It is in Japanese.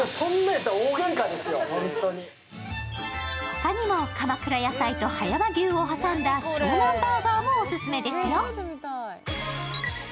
ほかにも鎌倉野菜と葉山牛を挟んだ湘南バーガーもオススメですよ。